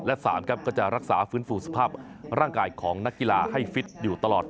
และ๓ครับก็จะรักษาฟื้นฟูสภาพร่างกายของนักกีฬาให้ฟิตอยู่ตลอด